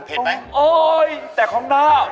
เผ็ดมั้ยลองเหว่งลองเผ็ดลองนะครับโอ๊ย